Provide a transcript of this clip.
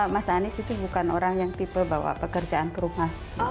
mas anies itu bukan orang yang tipe bawa pekerjaan ke rumah